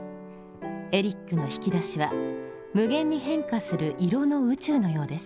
エリックの引き出しは無限に変化する色の宇宙のようです。